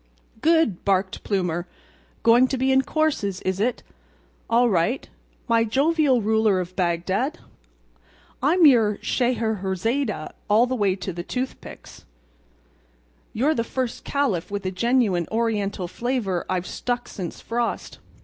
"Good!" barked Plumer; "going to be in courses, is it? All right, my jovial ruler of Bagdad. I'm your Scheherezade all the way to the toothpicks. You're the first Caliph with a genuine Oriental flavor I've struck since frost.